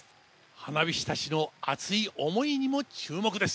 花火師たちの熱い思いにも注目です。